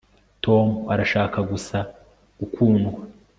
tom arashaka gusa gukundwa